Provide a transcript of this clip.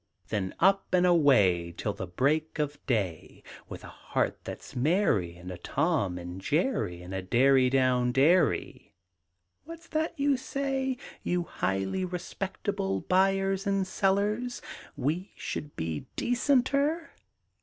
Then up and away Till the break of day, With a heart that's merry, And a Tom and Jerry, And a derry down derry What's that you say. You highly respectable Buyers and sellers? We should be decenter?